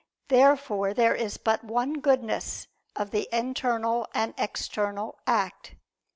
Therefore there is but one goodness of the internal and external act.